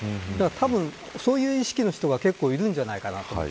たぶんそういう意識の人が結構いるんじゃないかなと。